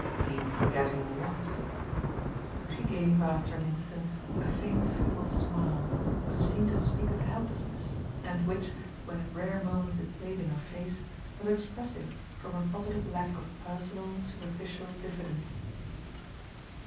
"Keep forgetting what?" She gave after an instant a faint feeble smile which seemed to speak of helplessness and which, when at rare moments it played in her face, was expressive from her positive lack of personal, superficial diffidence.